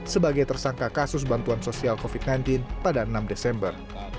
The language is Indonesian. sebagai tersangka kasus bantuan sosial covid sembilan belas pada enam desember